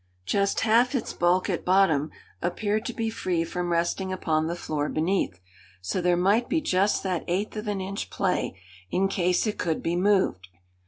Just half its bulk at bottom appeared to be free from resting upon the floor beneath, so there might be just that eighth of an inch play in case it could be moved.